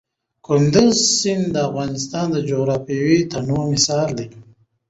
کندز سیند د افغانستان د جغرافیوي تنوع مثال دی.